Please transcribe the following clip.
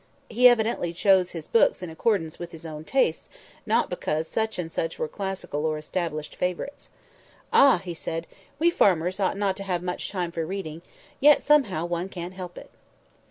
He evidently chose his books in accordance with his own tastes, not because such and such were classical or established favourites. "Ah!" he said, "we farmers ought not to have much time for reading; yet somehow one can't help it."